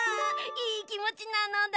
いいきもちなのだ！